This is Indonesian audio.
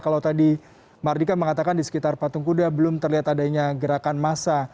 kalau tadi mardika mengatakan di sekitar patung kuda belum terlihat adanya gerakan massa